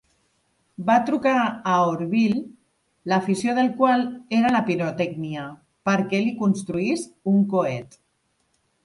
Va trucar a Orville, l'afició del qual era la pirotècnia, perquè li construís un coet.